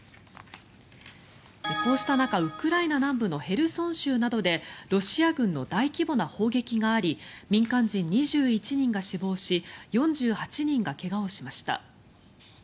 こうした中、ウクライナ南部のヘルソン州などでロシア軍の大規模な砲撃があり民間人２１人が死亡し４８人が怪我をしました。